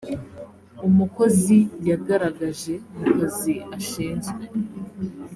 umukozi yagaragaje mu kazi ashinzwe